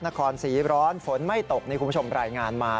นครศรีร้อนฝนไม่ตกนี่คุณผู้ชมรายงานมา